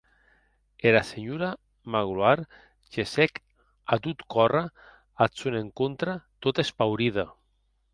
Era senhora Magloire gessec a tot córrer ath sòn encontre tota espaurida.